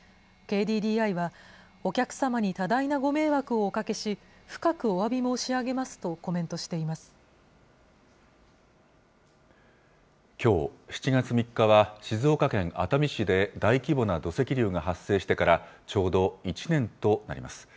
ＫＤＤＩは、お客様に多大なご迷惑をおかけし、深くおわび申し上きょう７月３日は、静岡県熱海市で大規模な土石流が発生してからちょうど１年となります。